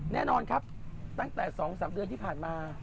แน่นอนครับตั้งแต่๒๓เดือนที่ผ่านมา